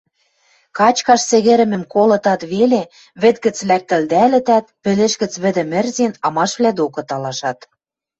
Качкаш сӹгӹрӹмӹм колытат веле, вӹд гӹц лӓктӹлдӓлӹтӓт, пӹлӹш гӹц вӹдӹм ӹрзен, амашвлӓ докы талашат.